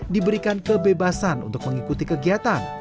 diberikan kebebasan untuk mengikuti kegiatan